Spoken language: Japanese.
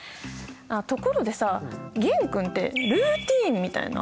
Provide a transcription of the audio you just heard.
あっところでさ玄君ってルーティーンみたいのある？